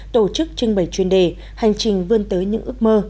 tổ chức trưng bày chuyên đề hành trình vươn tới những ước mơ